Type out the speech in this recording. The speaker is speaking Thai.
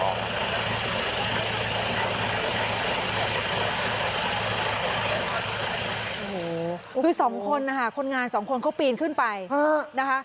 โอ้โหคือสองคนนะคะคนงานสองคนเขาปีนขึ้นไปนะคะ